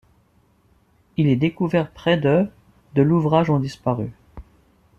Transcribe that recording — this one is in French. Il est découvert que près de £ de l'ouvrage ont disparu.